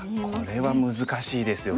これは難しいですよ今回は。